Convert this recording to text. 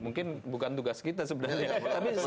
mungkin bukan tugas kita sebenarnya